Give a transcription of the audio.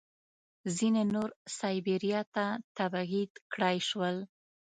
ځینې نور سایبیریا ته تبعید کړای شول